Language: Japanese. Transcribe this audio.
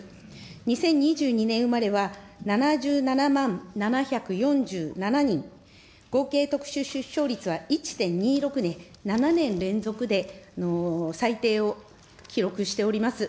２０２２年生まれは７７万７４７人、合計特殊出生率は１．２６で、７年連続で最低を記録しております。